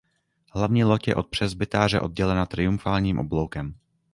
Hlavní loď je od presbytáře oddělena triumfálním obloukem.